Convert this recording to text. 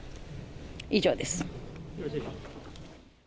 以上です。